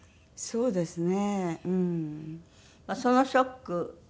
そうですね。